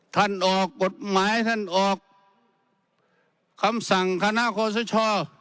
ท่านออกกฎหมายท่านออกคำสั่งคณะโคชช่อ